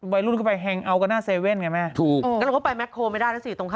ไว้รุ่นเข้าไปแฮงเอาท์กับหน้าเซเว่นไงแม่ถูกถูก